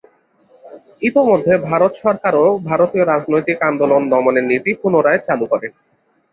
ইতোমধ্যে ভারত সরকারও ভারতীয় রাজনৈতিক আন্দোলন দমনের নীতি পুনরায় চালু করে।